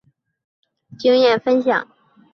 案例经验分享